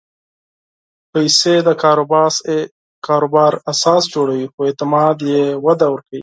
پېسې د کاروبار اساس جوړوي، خو اعتماد یې وده ورکوي.